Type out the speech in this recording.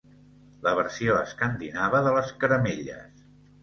La versió escandinava de les caramelles.